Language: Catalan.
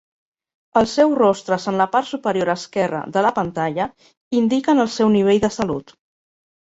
Els seus rostres en la part superior esquerra de la pantalla indiquen el seu nivell de salut.